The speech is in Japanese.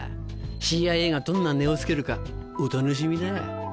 ＣＩＡがどんな値を付けるかお楽しみだ。